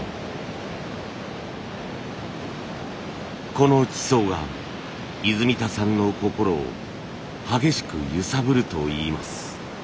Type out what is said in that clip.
この地層が泉田さんの心を激しく揺さぶるといいます。